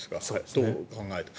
どう考えても。